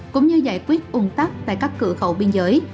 cũng như giải quyết ung tắc tại các cửa khẩu biên giới